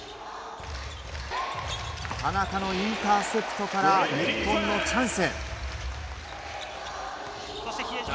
日本のインターセプトから日本のチャンス。